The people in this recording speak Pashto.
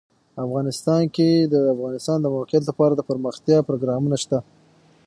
افغانستان کې د د افغانستان د موقعیت لپاره دپرمختیا پروګرامونه شته.